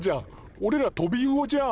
おれらトビウオじゃん！